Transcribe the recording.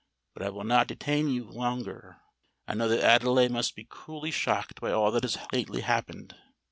But I will not detain you longer: I know that Adelais must be cruelly shocked by all that has lately happened.